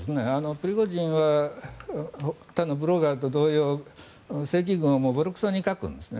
プリゴジンは他のブロガーと同様正規軍をぼろくそに書くんですね。